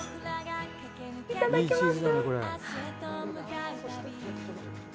いただきます。